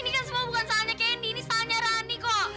ini kan semua bukan salahnya gendy ini salahnya rani kok